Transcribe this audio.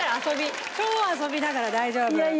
超遊びだから大丈夫。